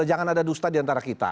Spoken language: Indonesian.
jangan ada dusta diantara kita